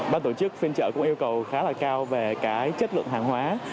bán tổ chức phiên chợ cũng yêu cầu khá là cao về chất lượng hàng hóa